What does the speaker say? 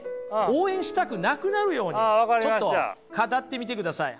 応援したくなくなるようにちょっと語ってみてください。